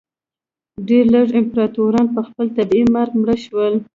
ډېر لږ امپراتوران په خپل طبیعي مرګ مړه شول.